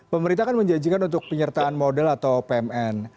pemerintah kan menjanjikan untuk penyertaan modal atau pmn